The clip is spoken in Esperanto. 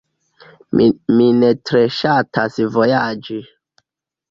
Mi ne tre ŝatas vojaĝi.